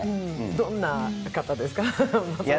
どんな方ですか？